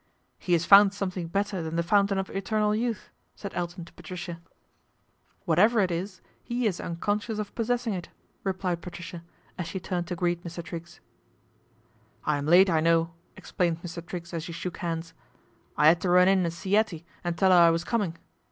11 He has found something better than the mntain of eternal youth " said Elton to Patricia. 218 PATRICIA BRENT, SPINSTER ' Whatever it is he is unconscious of possessing it," replied Patricia as she turned to greet Mr, Triggs. "I'm late, I know," explained Mr. Triggs as he shook hands. " I 'ad to run in and see 'Ettie and tell 'er I was coming.